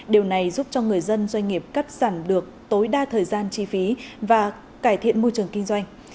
điều này giúp cho người dân doanh nghiệp cắt giảm được tối đa thời gian chi phí và cải thiện môi trường kinh doanh